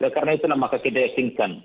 karena itulah maka kita yakinkan